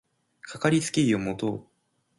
かかりつけ医を持とう